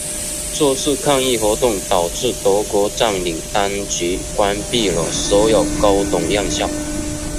这次抗议活动导致德国占领当局关闭了所有高等院校。